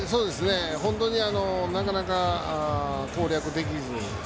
本当になかなか攻略できずに。